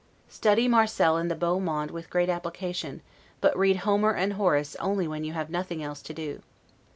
Study Marcel and the 'beau monde' with great application, but read Homer and Horace only when you have nothing else to do.